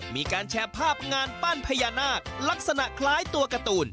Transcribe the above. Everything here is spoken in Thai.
มีการแชร์ภาพงานปั้นพญานาคลักษณะคล้ายตัวการ์ตูน